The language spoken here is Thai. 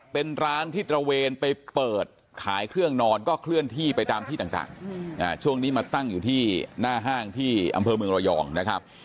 เป็นร้านที่ตระเวนไปเปิดขายเครื่องนอนก็เคลื่อนที่ไปตามที่ต่างช่วงนี้มาตั้งอยู่ที่หน้าห้างที่อำเภอเมืองระยองนะครับ